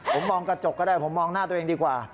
ผมมองกระจกก็ได้ผมมองหน้าตัวเองดีกว่า